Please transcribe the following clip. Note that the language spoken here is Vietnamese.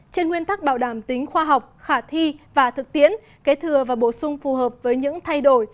trên nguyên tắc bảo đảm tính khoa học khả thi và thực tiến kế thừa và bổ sung phù hợp với những thay đổi